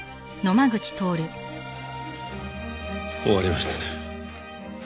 終わりましたね。